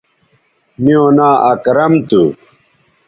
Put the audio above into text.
میوں ناں اکرم تھو